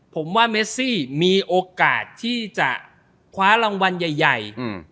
ผมว่าเมซี่มีโอกาสที่จะคว้ารางวัลใหญ่ใหญ่อืม